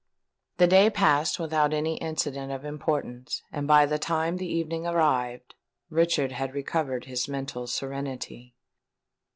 The day passed without any incident of importance; and by the time the evening arrived, Richard had recovered his mental serenity.